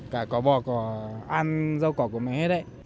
cả cỏ bò cỏ ăn rau cỏ của mẹ hết ấy